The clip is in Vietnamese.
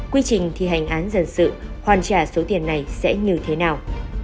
quy trình thi hành án dân sự hoàn trả số tiền này sẽ như thế nào